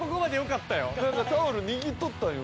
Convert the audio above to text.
なんかタオル握っとったんよ